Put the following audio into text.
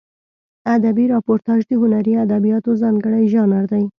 ادبي راپورتاژ د هنري ادبیاتو ځانګړی ژانر دی.